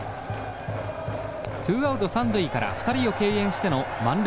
ツーアウト三塁から２人を敬遠しての満塁策。